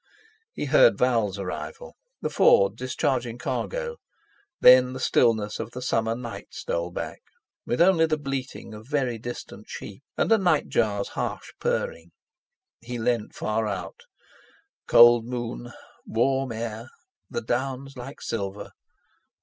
He heard Val's arrival—the Ford discharging cargo, then the stillness of the summer night stole back—with only the bleating of very distant sheep, and a night Jar's harsh purring. He leaned far out. Cold moon—warm air—the Downs like silver!